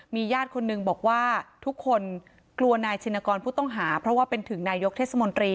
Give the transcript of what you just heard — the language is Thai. มีญาติคนหนึ่งบอกว่าทุกคนกลัวนายชินกรผู้ต้องหาเพราะว่าเป็นถึงนายกเทศมนตรี